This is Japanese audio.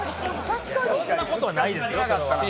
そんなことないですよ。